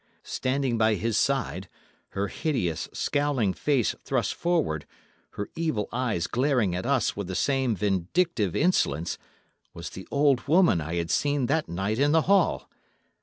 Standing by his side, her hideous, scowling face thrust forward, her evil eyes glaring at us with the same vindictive insolence, was the old woman I had seen that night in the hall.